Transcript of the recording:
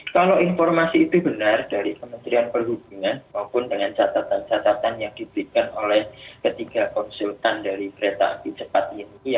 kalau informasi itu benar dari kementerian perhubungan maupun dengan catatan catatan yang diberikan oleh ketiga konsultan dari kereta api cepat ini